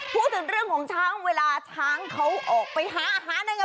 พูดถึงเรื่องของช้างเวลาช้างเขาออกไปหาอาหารในงาน